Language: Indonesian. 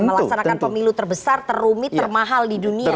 melaksanakan pemilu terbesar terumit termahal di dunia